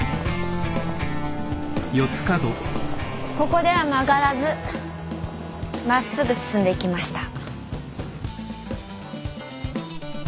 ここでは曲がらず真っすぐ進んでいきました。